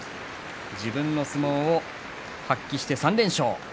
自分の相撲を発揮して３連勝。